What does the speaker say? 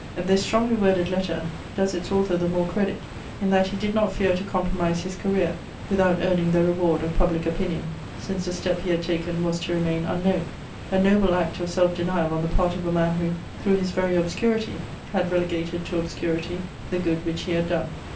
This strongly worded letter does its author the more credit in that he did not fear to compromise his career, without earning the reward of public opinion, since the step he had taken was to remain unknown: a noble act of self denial on the part of a man who, through his very obscurity, had relegated to obscurity the good which he had done.